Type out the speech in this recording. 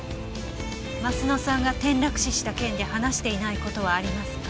鱒乃さんが転落死した件で話していない事はありますか？